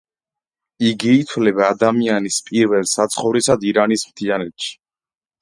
იგი ითვლება ადამიანის პირველ საცხოვრისად ირანის მთიანეთში.